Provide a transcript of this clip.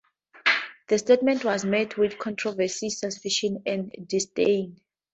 The statement was met with controversy, suspicion and disdain.